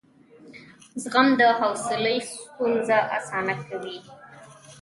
زغم او حوصله ستونزې اسانه کوي.